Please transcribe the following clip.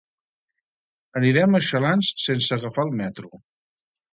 Anirem a Xalans sense agafar el metro.